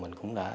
mình cũng đã